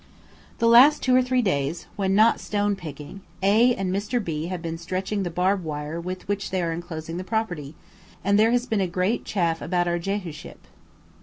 The last two or three days, when not stone picking, A and Mr. B have been stretching the barb wire with which they are enclosing the property; and there has been great chaff about our "Jehuship."